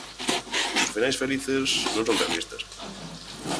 Os finais felices non son realistas.